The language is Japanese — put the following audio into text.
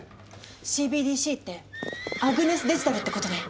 ＣＢＤＣってアグネスデジタルってことね。